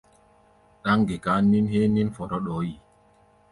Ɗáŋ ŋgekaa nín héé nín fɔrɔ ɗɔɔ́ yi.